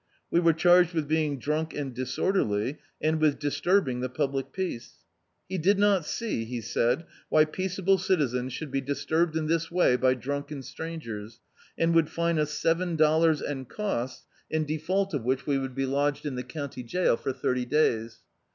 We were charged with being drunk and disorderly, and with disturbing the public peace. "He did not see," he said, "why peaceable citizens should be dis turbed in this way by drunken strangers, and would fine us seven dollars and costs, in default of which D,i.,.db, Google A Prisoner His Own Judge we would be lodged in the county jail for thirty days."